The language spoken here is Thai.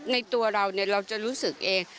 ในตัวเราเราจะรู้สึกเอง